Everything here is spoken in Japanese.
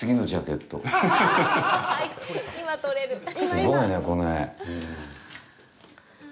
すごいね、この絵。